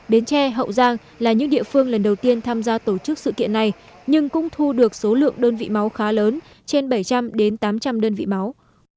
bến tre hậu giang là những địa phương lần đầu tiên tham gia tổ chức sự kiện này nhưng cũng thu được số lượng đơn vị máu khá lớn trên bảy trăm linh đến tám trăm linh đơn vị máu